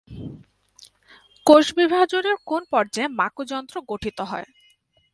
কোষ বিভাজনের কোন পর্যায়ে মাকুযন্ত্র গঠিত হয়?